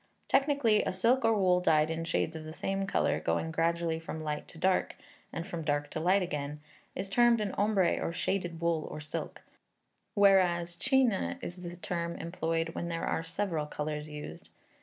Technically, a silk or wool dyed in shades of the same colour, going gradually from light to dark, and from dark to light again, is termed an ombre, or shaded wool or silk, whereas chine is the term employed when there are several colours used.